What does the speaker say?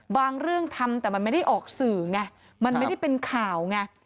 บางเรื่องทำแต่มันไม่ได้ออกสื่อไงมันไม่ได้เป็นข่าวไง